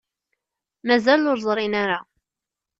Mazal ur ẓṛin ara.